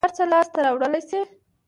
هر څه لاس ته راوړلى شې.